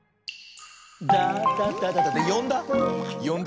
よんだ？